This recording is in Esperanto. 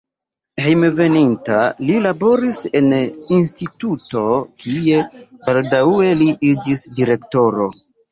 Hejmenveninta li laboris en instituto, kie baldaŭe li iĝis direktoro.